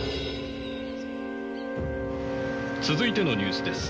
「続いてのニュースです。